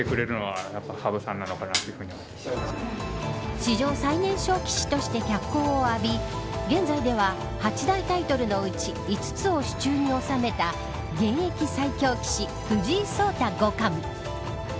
史上最年少棋士として脚光を浴び現在では八大タイトルのうち五つを手中に収めた現役最強棋士、藤井聡太五冠。